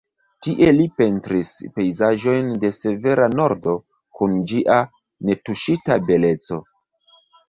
Tie li pentris pejzaĝojn de severa Nordo kun ĝia netuŝita beleco.